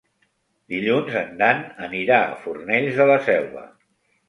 Dilluns en Dan anirà a Fornells de la Selva.